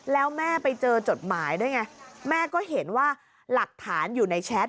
แล้วแม่ไปเจอจดหมายด้วยไงแม่ก็เห็นว่าหลักฐานอยู่ในแชท